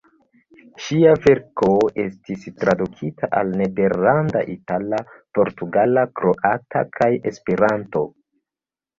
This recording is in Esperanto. Ŝia verko estis tradukita al nederlanda, itala, portugala, kroata kaj Esperanto.